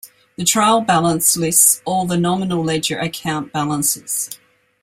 The trial balance lists all the nominal ledger account balances.